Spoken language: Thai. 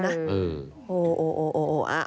โอ้โหโอ้โหโอ้โห